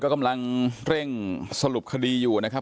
กำลังเร่งสรุปคดีอยู่นะครับ